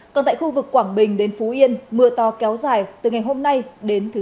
còn tại khu vực quảng bình đến phú yên mưa to kéo dài từ ngày hôm nay đến thứ sáu